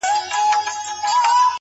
چي لا ګوري دې وطن ته د سکروټو سېلابونه!!